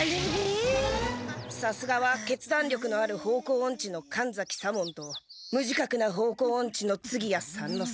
さすがはけつだんりょくのある方向オンチの神崎左門とむじかくな方向オンチの次屋三之助。